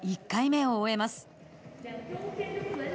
１回目を終えます。